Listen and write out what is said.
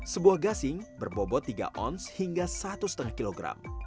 sebuah gasing berbobot tiga ons hingga satu lima kg